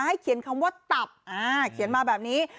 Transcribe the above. เขียนคำว่าตับเขียนมาแบบนี้